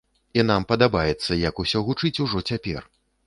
І нам падабаецца, як усё гучыць ужо цяпер.